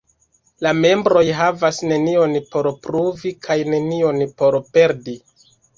La membroj havas nenion por pruvi kaj nenion por perdi.